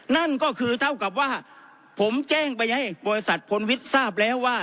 นั่นก็คือเท่ากับว่าผมแจ้งไปให้บริษัทพลวิทย์ทราบแล้วว่า